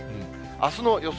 あすの予想